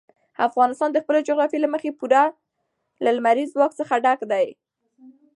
افغانستان د خپلې جغرافیې له مخې پوره له لمریز ځواک څخه ډک دی.